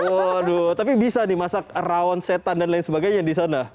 waduh tapi bisa nih masak rawon setan dan lain sebagainya di sana